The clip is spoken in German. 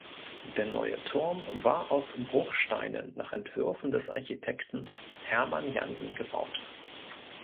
Der neue Turm war aus Bruchsteinen nach Entwürfen des Architekten Hermann Jansen gebaut.